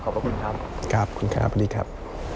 ขอบคุณครับครับคุณครับสวัสดีครับ